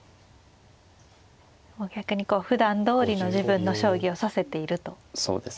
もう逆にこうふだんどおりの自分の将棋を指せているということですね。